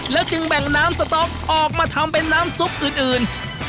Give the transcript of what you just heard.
จึงแบ่งน้ำสต๊อกออกมาทำเป็นน้ำซุปอื่น